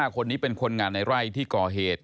คนนี้เป็นคนงานในไร่ที่ก่อเหตุ